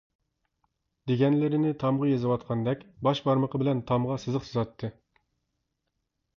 دېگەنلىرىنى تامغا يېزىۋاتقاندەك باش بارمىقى بىلەن تامغا سىزىق سىزاتتى.